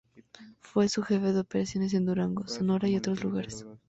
Fue jefe de operaciones en Durango, Sonora y otros lugares.